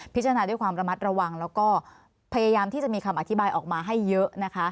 ด้วยความระมัดระวังแล้วก็พยายามที่จะมีคำอธิบายออกมาให้เยอะนะคะ